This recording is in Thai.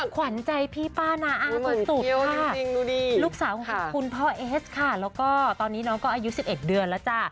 ขวัญใจพี่ป้านาอาสุดค่ะลูกสาวของคุณพ่อเอสค่ะแล้วก็ตอนนี้น้องก็อายุ๑๑เดือนแล้วจ้ะ